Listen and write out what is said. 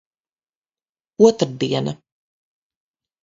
Otrdiena.